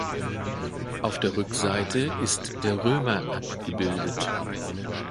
Auf der Rückseite ist der Römer abgebildet.